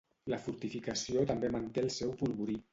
La fortificació també manté el seu polvorí.